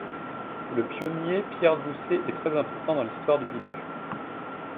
Le pionnier Pierre Doucet est très important dans l’histoire du village.